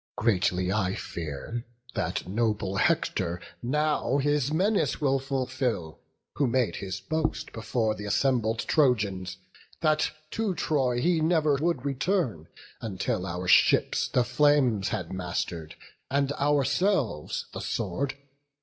Greatly I fear that noble Hector now His menace will fulfil, who made his boast Before th' assembled Trojans, that to Troy He never would return, until our ships The flames had master'd, and ourselves the sword.